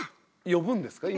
呼ぶんですか？